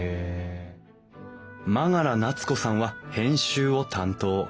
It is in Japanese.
真柄奈津子さんは編集を担当。